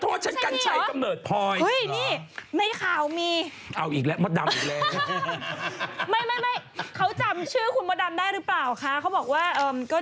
ก็จัดต่องมีคนเราเดือดร้อน